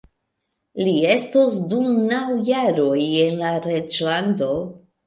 Li estos dum naŭ jaroj en la reĝlando.